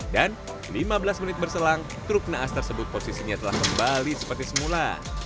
dan lima belas menit berselang truk naas tersebut posisinya telah kembali seperti semula